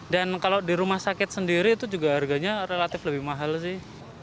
dan kalau di rumah sakit sendiri itu juga harganya relatif lebih mahal sih